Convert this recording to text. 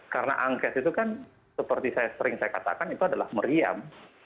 karena angket itu kan seperti saya sering katakan itu adalah meriam